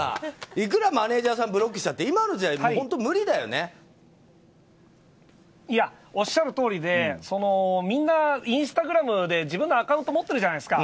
いくらマネジャーさんブロックしたっておっしゃるとおりでみんな、インスタグラムで自分のアカウント持っているじゃないですか。